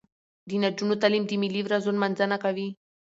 د نجونو تعلیم د ملي ورځو نمانځنه کوي.